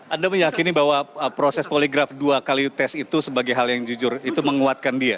anda meyakini bahwa proses poligraf dua kali tes itu sebagai hal yang jujur itu menguatkan dia